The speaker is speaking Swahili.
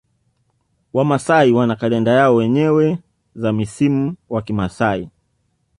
Wamasai wana kalenda yao wenyewe za msimu wa kimasai